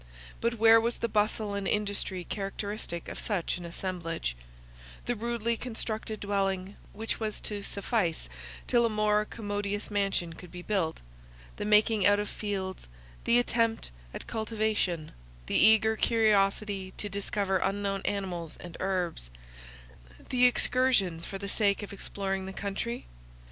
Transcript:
But where was the bustle and industry characteristic of such an assemblage; the rudely constructed dwelling, which was to suffice till a more commodious mansion could be built; the marking out of fields; the attempt at cultivation; the eager curiosity to discover unknown animals and herbs; the excursions for the sake of exploring the country?